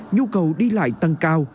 nhu cầu đi lại tăng cao